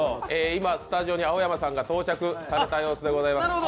今スタジオに青山さんが到着された様子でございます。